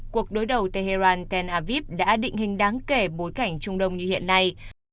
cuộc đối đầu tehran tenevit đã định hình đáng kể bối cảnh trung đông như hiện nay